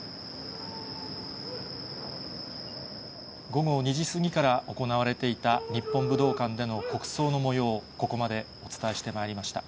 午後２時過ぎからおこなわれていた日本武道館での国葬のもようを、ここまでお伝えしてまいりました。